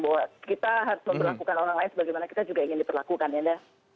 bahwa kita harus memperlakukan orang lain sebagaimana kita juga ingin diperlakukan ya